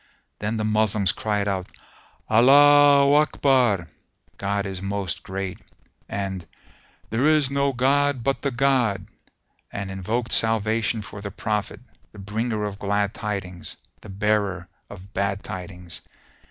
Then the Moslems cried out, "Allaho Akbar!" (God is most Great) and "There is no god but the God!", and invoked salvation for the Prophet, the Bringer of Glad Tidings, the Bearer of Bad Tidings.